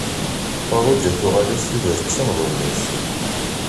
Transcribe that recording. Ferruǧa tuɣal-as tudert d timḍellas.